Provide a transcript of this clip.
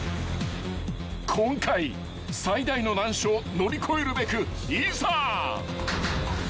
［今回最大の難所を乗り越えるべくいざ］